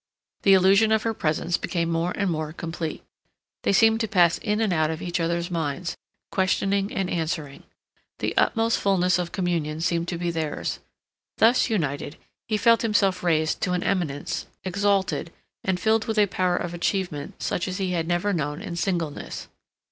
The illusion of her presence became more and more complete. They seemed to pass in and out of each other's minds, questioning and answering. The utmost fullness of communion seemed to be theirs. Thus united, he felt himself raised to an eminence, exalted, and filled with a power of achievement such as he had never known in singleness.